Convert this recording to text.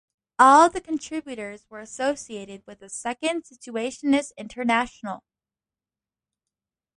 All of the contributors were associated with the "Second Situationist International".